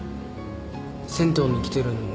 銭湯に来てるのも。